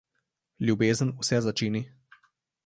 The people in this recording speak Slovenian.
Ljubezen vse začini.